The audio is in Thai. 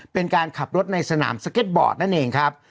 เป็นการขับรถในสนามสเก็ตบอร์ดนั่นเองครับ